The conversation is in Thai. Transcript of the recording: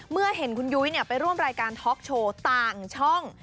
เมื่อเห็นคุณยุ้ยไปร่วมรายการท็อกโชว์ต่างช่อง